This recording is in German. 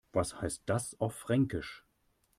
Was heißt das auf Fränkisch?